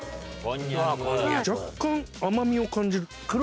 若干甘みを感じる。